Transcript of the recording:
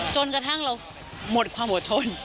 จนกระทั่งเราหมดความอดทน